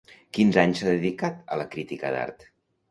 Quins anys s'ha dedicat a la crítica d'art?